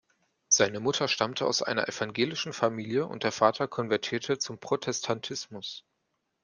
Seine Mutter stammte aus einer evangelischen Familie und der Vater konvertierte zum Protestantismus.